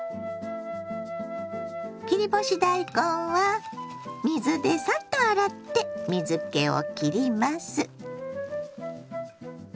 切り干し大根は水でサッと洗って水けをきります。